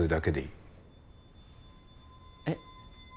えっ？